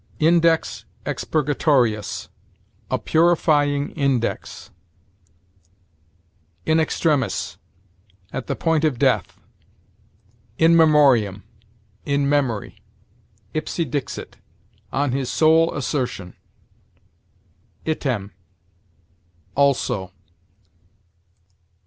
Index expurgatorius: a purifying index. In extremis: at the point of death. In memoriam: in memory. Ipse dixit: on his sole assertion. Item: also.